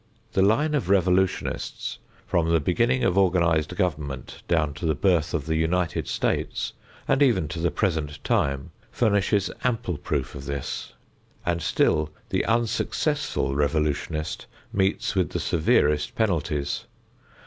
The line of revolutionists, from the beginning of organized government down to the birth of the United States and even to the present time, furnishes ample proof of this. And still the unsuccessful revolutionist meets with the severest penalties.